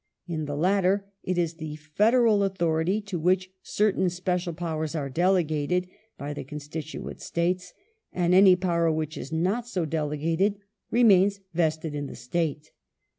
In the latter it is the federal authority to which certain special powei's are delegated by the constituent states, and any power which is not so delegated remains vested in the State.